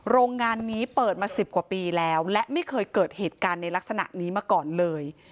โรงงานนี้เปิดมา๑๐กว่าปีแล้วและไม่เคยเกิดเหตุการณ์ในลักษณะนี้มาก่อนเลย